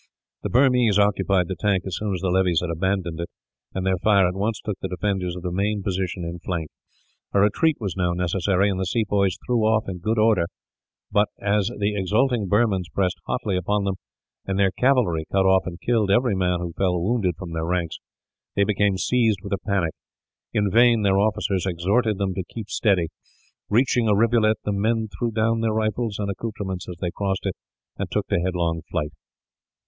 The Burmese occupied the tank as soon as the levies had abandoned it, and their fire at once took the defenders of the main position in flank. A retreat was now necessary, and the sepoys drew off in good order but, as the exulting Burmans pressed hotly upon them, and their cavalry cut off and killed every man who fell wounded from their ranks, they became seized with a panic. In vain their officers exhorted them to keep steady. Reaching a rivulet, the men threw down their rifles and accoutrements as they crossed it, and took to headlong flight.